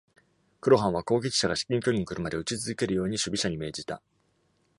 クロハンは攻撃者が至近距離に来るまで撃ち続けるように守備者に命じた。